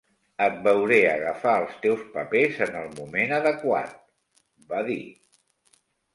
"Et veuré agafar els teus papers en el moment adequat", va dir.